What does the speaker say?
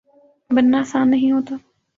بننا آسان نہیں ہوتا